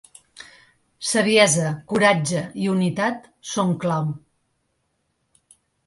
Saviesa, coratge i unitat són clau.